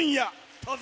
どうぞ。